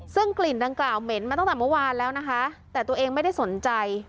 ซึ่งกลิ่นดังกล่าวเหม็นมาตั้งแต่เมื่อวานแล้วนะคะแต่ตัวเองไม่ได้สนใจ